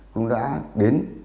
cũng đã đến